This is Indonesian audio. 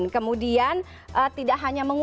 kemudian tidak hanya menguji